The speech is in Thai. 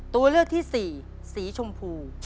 ตัวเลือกที่สี่สีชมพู